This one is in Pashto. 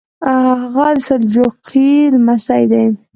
هغه د سلجوقي لمسی دی.